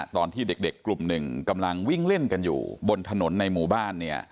ตอนที่เด็กกลุ่มหนึ่งกำลังวิ่งเล่นกันอยู่บนถนนในหมู่บ้านเนี่ย